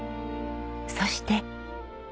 そして。